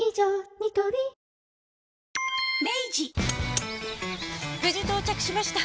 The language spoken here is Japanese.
ニトリ無事到着しました！